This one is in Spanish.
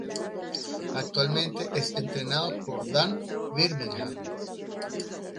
Actualmente es entrenado por Dan Birmingham.